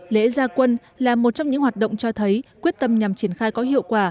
lễ gia quân là một trong những hoạt động cho thấy quyết tâm nhằm triển khai có hiệu quả